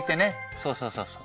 そうそうそうそう。